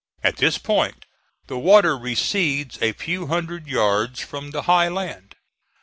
At this point the water recedes a few hundred yards from the high land.